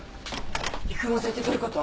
育毛剤ってどういうこと？